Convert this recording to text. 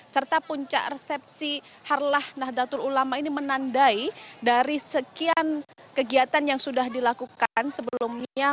serta puncak resepsi harlah nahdlatul ulama ini menandai dari sekian kegiatan yang sudah dilakukan sebelumnya